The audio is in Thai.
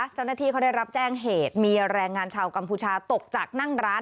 เจ้าหน้าที่เขาได้รับแจ้งเหตุมีแรงงานชาวกัมพูชาตกจากนั่งร้าน